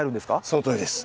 そのとおりです。